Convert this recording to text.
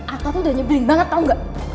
ata tuh udah nyebelin banget tau gak